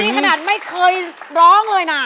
นี่ขนาดไม่เคยร้องเลยนะ